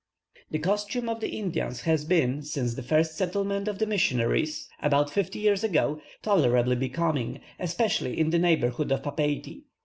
The costume of the Indians has been, since the first settlement of the missionaries (about fifty years ago), tolerably becoming, especially in the neighbourhood of Papeiti.